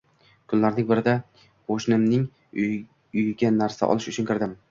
Kunlarning birida bir qo‘shnimning uyiga narsa olish uchun kirdim